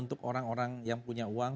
untuk orang orang yang punya uang